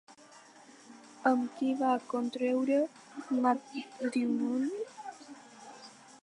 Amb qui va contreure matrimoni?